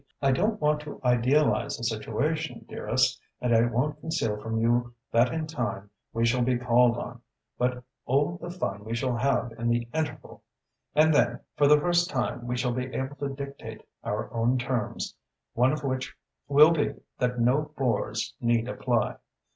I don't want to idealize the situation, dearest, and I won't conceal from you that in time we shall be called on. But, oh, the fun we shall have had in the interval! And then, for the first time we shall be able to dictate our own terms, one of which will be that no bores need apply.